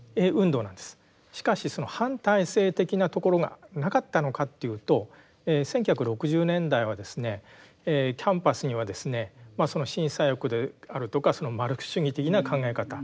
しかしその反体制的なところがなかったのかというと１９６０年代はですねキャンパスにはですね新左翼であるとかマルクス主義的な考え方